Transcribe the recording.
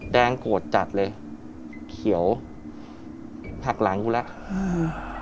แดงโกรธจัดเลยเขียวถักหลังกูแล้ว